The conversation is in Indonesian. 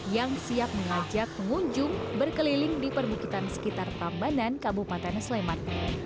yang siap mengajak pengunjung berkeliling di perbukitan sekitar tambanan kabupaten sleman